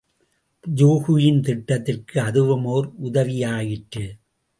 யூகியின் திட்டத்திற்கு அதுவும் ஓர் உதவியாயிற்று.